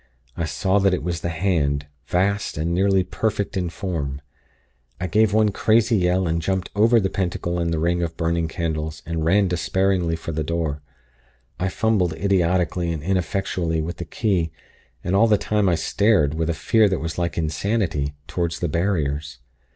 I saw that it was the Hand, vast and nearly perfect in form. I gave one crazy yell, and jumped over the Pentacle and the ring of burning candles, and ran despairingly for the door. I fumbled idiotically and ineffectually with the key, and all the time I stared, with a fear that was like insanity, toward the Barriers.